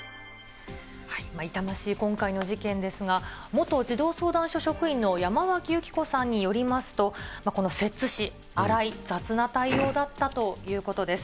痛ましい今回の事件ですが、元児童相談所職員の山脇由貴子さんによりますと、この摂津市、粗い雑な対応だったということです。